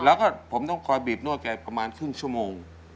แล้วก็ผมต้องคอยบีบนวดแกประมาณครึ่งชั่วโมง